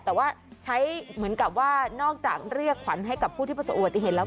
แต่ว่าใช้เหมือนกับว่านอกจากเรียกขวัญให้กับผู้ที่ประสบอุบัติเหตุแล้ว